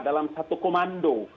dalam satu komando